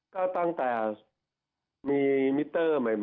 ก็ตั้งแต่มีมิเตอร์ใหม่